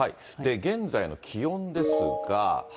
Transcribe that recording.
現在の気温ですが。